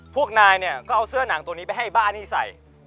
พวกนายเนี่ยก็เอาเสื้อหนังตัวนี้ไปให้บ้านี่ใส่